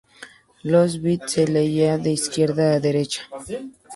Los bits se leían de izquierda a derecha.